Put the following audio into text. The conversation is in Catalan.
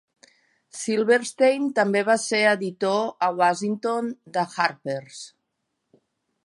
Silverstein també va ser editor a Washington de "Harper's".